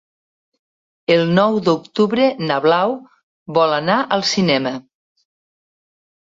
El nou d'octubre na Blau vol anar al cinema.